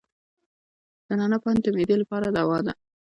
د نعناع پاڼې د معدې لپاره دوا ده.